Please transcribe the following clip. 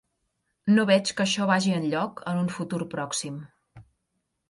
No veig que això vagi enlloc en un futur pròxim.